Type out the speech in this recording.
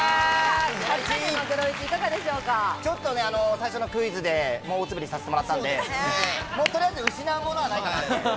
ちょっと最初のクイズで、大すべりさせてもらったんでとりあえず失うものはないかなと。